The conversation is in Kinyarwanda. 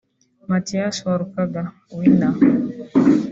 Mathias Walukagga (Winner)